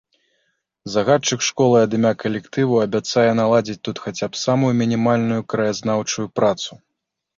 Загадчык школы ад імя калектыву абяцае наладзіць тут хаця б самую мінімальную краязнаўчую працу.